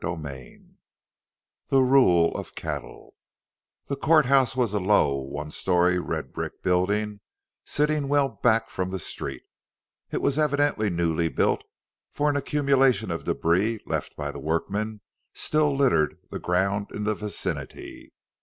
CHAPTER II THE RULE OF CATTLE The courthouse was a low, one story redbrick building, sitting well back from the street. It was evidently newly built, for an accumulation of débris, left by the workmen, still littered the ground in the vicinity.